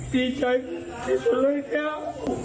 ดีใจดีใจเลยแค่ว่า